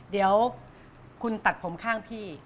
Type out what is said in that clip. เดี๋ยวคุณตัดผมข้างพี่